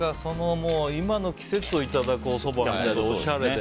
今の季節をいただくおそばみたいでおしゃれで。